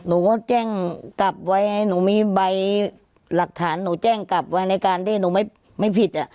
หนูก็แจ้งกลับไว้ให้หนูมีใบหลักฐานหนูแจ้งกลับไว้ในการที่หนูไม่ผิด